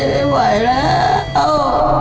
ไม่ไหวแล้ว